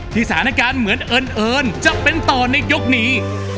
สถานการณ์เหมือนเอิญจะเป็นต่อในยกนี้